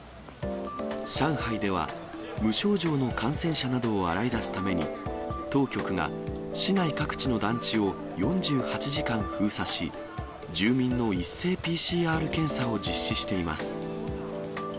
上海では、無症状の感染者などを洗い出すために、当局が市内各地の団地を４８時間封鎖し、住民の一斉ＰＣＲ検査を実施しています。